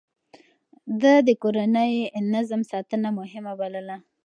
ده د کورني نظم ساتنه مهمه بلله.